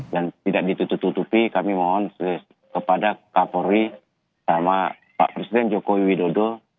dan tidak ditutupi kami mohon kepada kapolri sama pak presiden joko widodo